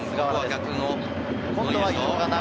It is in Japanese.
今度は伊東が中。